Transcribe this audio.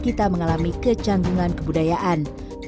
kita mengalami kecandungan kebudayaan